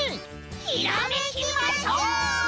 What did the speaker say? ひらめきましょう！